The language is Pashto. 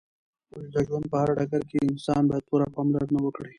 د ژوند په هر ډګر کې انسان باید پوره پاملرنه وکړې